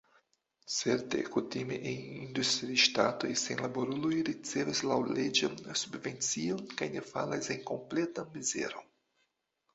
Certe, kutime en industriŝtatoj senlaboruloj ricevas laŭleĝan subvencion kaj ne falas en kompletan mizeron.